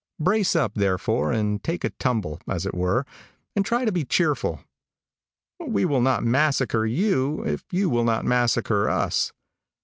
Brace up, therefore, and take a tumble, as it were, and try to be cheerful. We will not massacre you if you will not massacre us.